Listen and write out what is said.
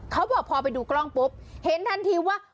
เขาบอกพอไปดูกล้องปุ๊บเห็นทันทีว่า